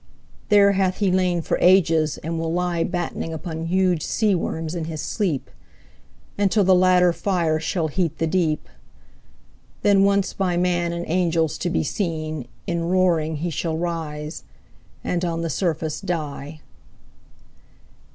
There hath he lain for ages, and will lie Battening upon huge sea worms in his sleep, Until the latter fire shall heat the deep; Then once by man and angels to be seen, In roaring he shall rise and on the surface die.